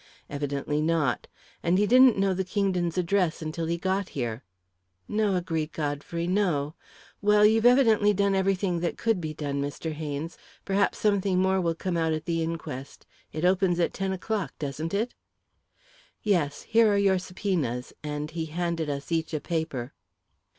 "Evidently not. And he didn't know the Kingdons' address until he got here." "No," agreed Godfrey; "no. Well, you've evidently done everything that could be done, Mr. Haynes. Perhaps something more will come out at the inquest. It opens at ten o'clock, doesn't it?" "Yes; here are your subpoenas," and he handed us each a paper.